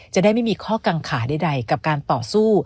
จะได้ไม่มีข้อกังขาใดกับการต่อสู้